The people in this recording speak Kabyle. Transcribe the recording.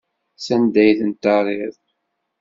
Sanda ay tent-terriḍ?